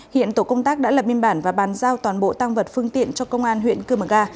hiện tổ công tác đã lập biên bản và bàn giao toàn bộ tăng vật phương tiện cho công an huyện cư mờ ga